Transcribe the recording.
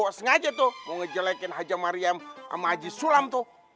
kok sengaja tuh mau ngejelekin haja maryam sama haji sulam tuh